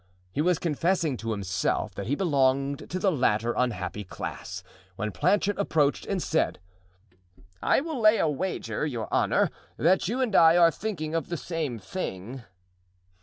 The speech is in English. He was confessing to himself that he belonged to the latter unhappy class, when Planchet approached and said: "I will lay a wager, your honor, that you and I are thinking of the same thing."